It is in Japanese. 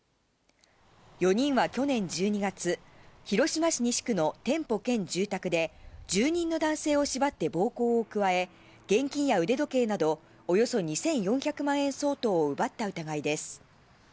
４人は去年１２月、広島市西区の店舗兼住宅で住人の男性を縛って暴行を加え、現金や腕時計などおよそ２４００万円相当を奪った疑いです。